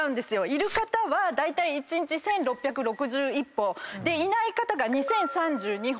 いる方はだいたい１日１，６６１歩。いない方が２，０３２歩。